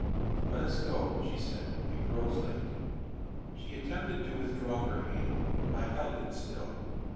"Let us go," she said: "it grows late." She attempted to withdraw her hand: I held it still.